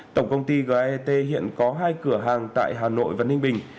tổng công ty gett hiện có hai cửa hàng tại hà nội và ninh bình